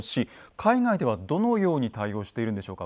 海外ではどのように対応しているんでしょうか。